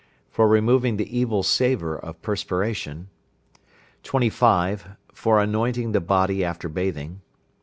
For removing the evil savour of perspiration. 25. For anointing the body after bathing.